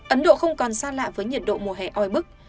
ấn độ không còn xa lạ với nhiệt độ mùa hè oi bức